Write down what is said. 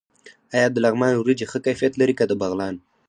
آیا د لغمان وریجې ښه کیفیت لري که د بغلان؟